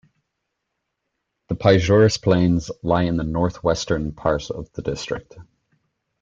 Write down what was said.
The Piejuras Plains lie in the north-western part of the district.